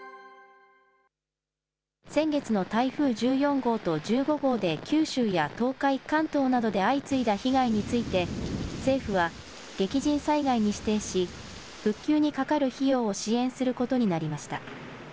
先月の台風１４号と１５号で、九州や東海、関東などで相次いだ被害について、政府は激甚災害に指定し、復旧にかかる費用を支援することになりました。